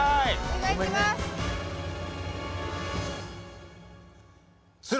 お願いします！